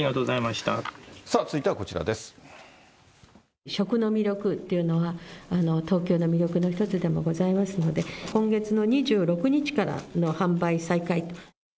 さあ、食の魅力っていうのは、東京の魅力の一つでもございますので、今月の２６日から販売再開。